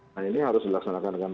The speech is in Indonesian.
nah ini harus dilaksanakan dengan